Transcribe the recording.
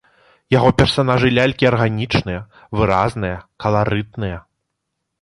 Яго персанажы-лялькі арганічныя, выразныя, каларытныя.